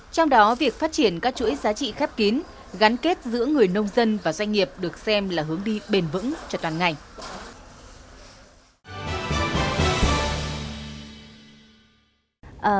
trong đó việc phát triển các chuỗi giá trị khép kín gắn kết giữa người nông dân và doanh nghiệp được xem là hướng đi bền vững cho toàn ngành